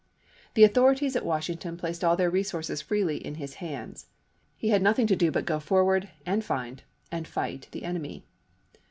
The authorities at Wash ington placed all their resources freely in his hands. He had nothing to do but go forward and find and fight the enemy.